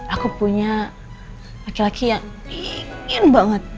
aku punya laki laki yang ingin banget